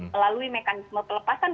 melalui mekanisme pelepasan